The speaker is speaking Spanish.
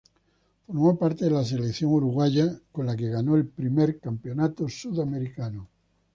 Formó parte de la selección uruguaya, con la que ganó el primer Campeonato Sudamericano.